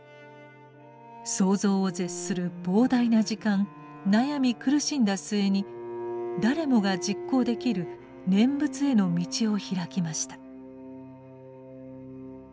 想像を絶する膨大な時間悩み苦しんだ末に誰もが実行できる念仏への道を開きました。